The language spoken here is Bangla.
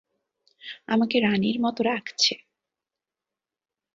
আমাকে রানীর মত রাখছে।